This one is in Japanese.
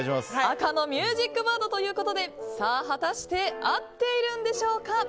赤のミュージックバードということで果たして合っているんでしょうか。